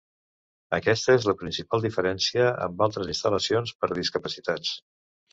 Aquesta és la principal diferència amb altres instal·lacions per a discapacitats.